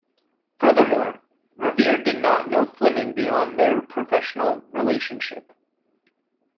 Furthermore, Revere did not know Fleming beyond their professional relationship.